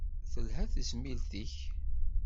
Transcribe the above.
Telha tezmilt-ik?